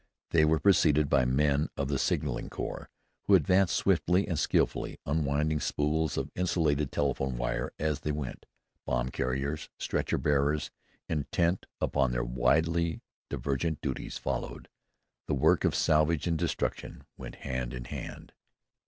They were preceded by men of the Signaling Corps, who advanced swiftly and skillfully, unwinding spools of insulated telephone wire as they went. Bomb carriers, stretcher bearers, intent upon their widely divergent duties, followed. The work of salvage and destruction went hand in hand.